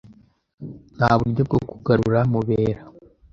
Nta buryo bwo kugarura Mubera.